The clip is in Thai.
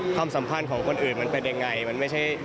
ความสัมพันธ์ของคนอื่นมันเป็นอย่างไร